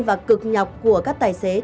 và cực nhọc của các tài xế